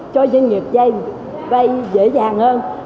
cho doanh nghiệp quay dễ dàng hơn